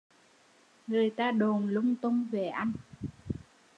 Người ta đồn lung tung về anh